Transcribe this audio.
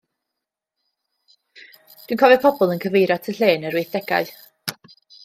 Dwi'n cofio pobl yn cyfeirio at y lle yn yr wythdegau.